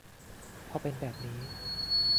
พอเป็นแบบนี้